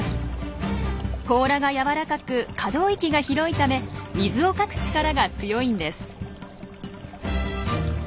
甲羅が柔らかく可動域が広いため水をかく力が強いんです。